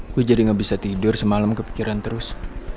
aku jadi nggak bisa tidur semalam kepikiran terus